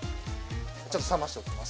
ちょっと冷ましておきます